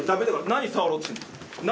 何触ろうとしてるんだよ！